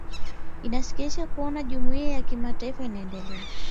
inasikitisha kuona jumuiya ya kimataifa inaendelea